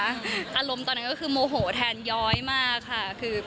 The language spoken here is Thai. อารมณ์ตอนนั้นก็คือโมโหแทนย้อยมากค่ะ